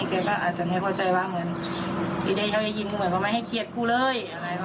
แกก็อาจจะไม่เข้าใจว่าเหมือนไม่ได้เข้าใจยินว่าไม่ให้เกียรติกูเลย